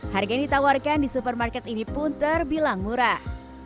harga yang ditawarkan di supermarket ini pun terbilang murah